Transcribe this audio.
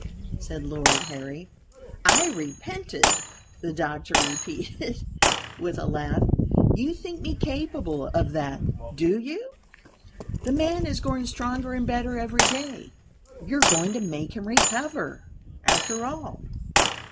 said Lord Harry. "I repented?" the doctor repeated, with a laugh. "You think me capable of that, do you?" "The man is growing stronger and better every day. You are going to make him recover, after all.